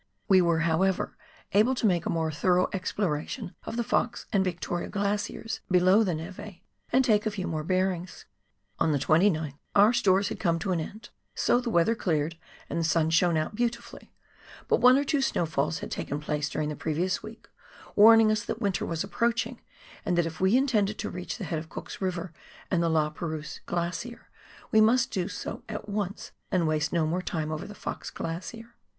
We were, however, able to make a more thorough exploration of the Fox and Yietoria glaciers below the nete and take a few more bearings. On the 29th our stores had come to an end, so the weather cleared and the sun shone out beautifully ; but one or two snow falls had taken place during the previous week, warning us that winter was approaching, and that if we intended to reach the head of Cook's River and La Perouse Glacier we must do so at once and waste no more time over the Fox Glacier.